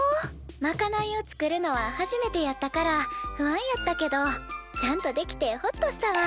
まかないを作るのは初めてやったから不安やったけどちゃんとできてホッとしたわ。